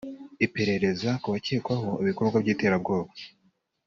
Iperereza ku bakekwaho ibikorwa by’iterabwoba